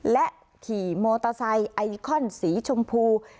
และขี่มอเตอร์ไซค์ไอคอนสีชมพู